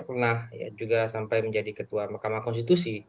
pernah juga sampai menjadi ketua mahkamah konstitusi